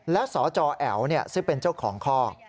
และสจแอ๋วซึ่งเป็นเจ้าของคอก